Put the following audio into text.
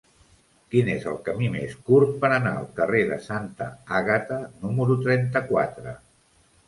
Quin és el camí més curt per anar al carrer de Santa Àgata número trenta-quatre?